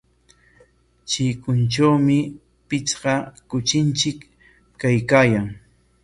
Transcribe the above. ¿Chikuntrawku pichqa kuchinchik kaykaayan?